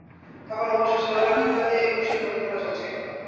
তখন অবশ্য সোহরাওয়ার্দী উদ্যানে একুশে গ্রন্থমেলা চলছিল।